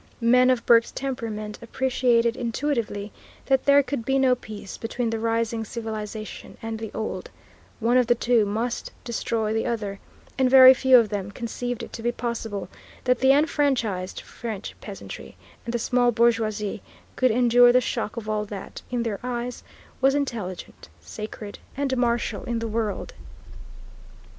Men of Burke's temperament appreciated intuitively that there could be no peace between the rising civilization and the old, one of the two must destroy the other, and very few of them conceived it to be possible that the enfranchised French peasantry and the small bourgeoisie could endure the shock of all that, in their eyes, was intelligent, sacred, and martial in the world.